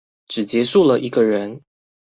只結束了一個人